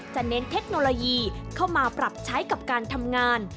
เน้นเทคโนโลยีเข้ามาปรับใช้กับการทำงาน